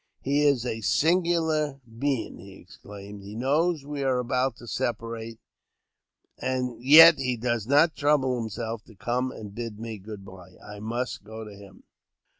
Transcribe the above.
He is a singular being," he exclaimed ;" he knows we are about to separate, yet he does not trouble himself to come and bid me good bye. I must go to him."